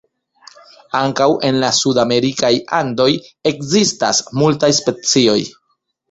Ankaŭ en la sudamerikaj Andoj ekzistas multaj specioj.